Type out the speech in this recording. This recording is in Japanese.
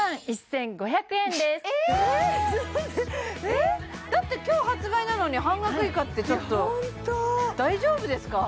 えっだって今日発売なのに半額以下ってちょっとホント大丈夫ですか？